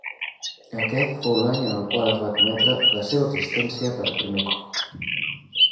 Aquest fou l'any en el qual es va admetre la seva existència per primer cop.